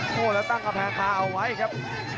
โอ้โหแล้วตั้งกำแพงคาเอาไว้ครับ